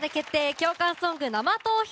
共感ソング生投票。